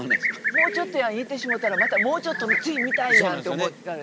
もうちょっとやんいってしもたらまたもうちょっとの次見たいやんって思っちゃうから。